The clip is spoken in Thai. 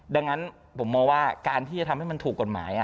ดังนั้นผมมองว่าการที่จะทำให้มันถูกกฎหมาย